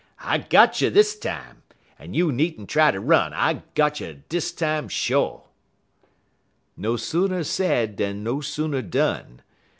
I got you dis time! Oh, you nee'nter try ter run! I got you dis time sho'!' "No sooner said dan no sooner done.